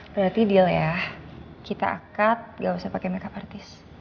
berarti deal ya kita angkat gak usah pakai makeup artis